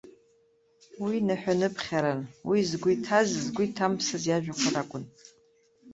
Уи ныҳәа-ныԥхьаран, уи згәы иҭаз згәы иҭамԥсыз иажәақәа ракәын.